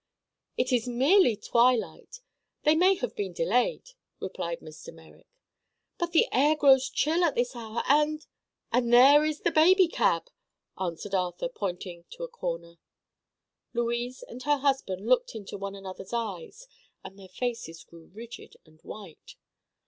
"It is merely twilight; they may have been delayed," replied Mr. Merrick. "But the air grows chill at this hour, and—" "And there is the baby cab!" added Arthur, pointing to a corner. Louise and her husband looked into one another's eyes and their faces grew rigid and white.